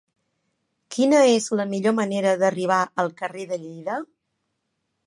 Quina és la millor manera d'arribar al carrer de Lleida?